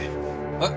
えっ！